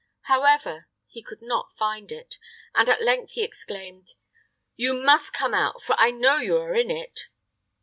However, he could not find it, and he at length exclaimed, "You must come out, for I know you are in it!"